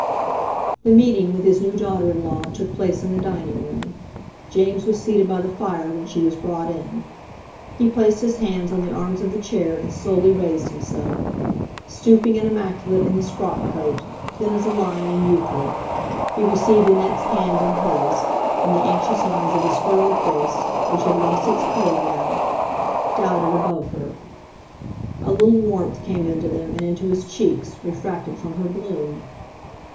The meeting with his new daughter in law took place in the dining room. James was seated by the fire when she was brought in. He placed, his hands on the arms of the chair and slowly raised himself. Stooping and immaculate in his frock coat, thin as a line in Euclid, he received Annette's hand in his; and the anxious eyes of his furrowed face, which had lost its colour now, doubted above her. A little warmth came into them and into his cheeks, refracted from her bloom.